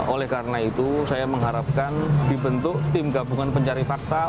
oleh karena itu saya mengharapkan dibentuk tim gabungan pencari fakta